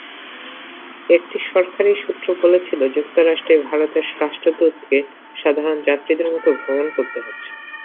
একটি সরকারি সূত্র বলেছিল, যুক্তরাষ্ট্রে ভারতের রাষ্ট্রদূতকে সাধারণ যাত্রীদের মতো ভ্রমণ করতে হচ্ছে।